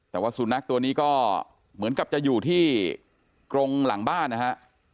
แต่ว่าสุนัขตัวนี้ก็เหมือนกับจะอยู่ที่กรงหลังบ้านนะฮะ